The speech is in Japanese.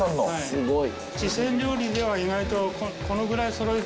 すごい！